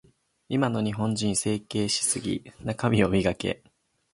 今の日本人、整形しすぎ。中身を磨け。